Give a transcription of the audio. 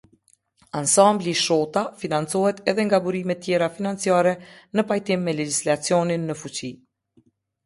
Ansambli ”Shota” financohet dhe nga burimet tjera financiare në pajtim me legjislacionin në fuqi.